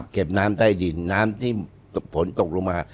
เก็บน้ำใต้ดินน้ำที่ฝนตกลงมา